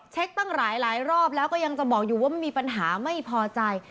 ตั้งหลายรอบแล้วก็ยังจะบอกอยู่ว่ามันมีปัญหาไม่พอใจ